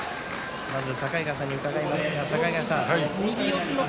まず境川さんに伺います。